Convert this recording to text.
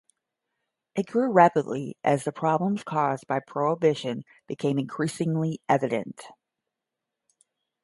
It grew rapidly as the problems caused by prohibition became increasingly evident.